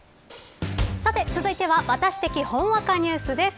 さて、続いてはワタシ的ほんわかニュースです。